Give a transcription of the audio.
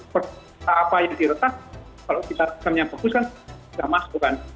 pertama apa yang di retas kalau kita pikirkan yang bagus kan tidak masuk kan